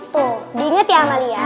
tuh diinget ya amalia